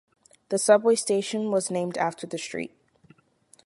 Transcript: The subway station was named after the street.